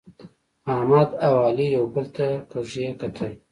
احمد او علي یو بل ته کږي کتل.